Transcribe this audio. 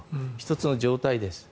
１つの状態です。